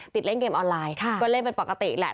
เล่นเกมออนไลน์ก็เล่นเป็นปกติแหละ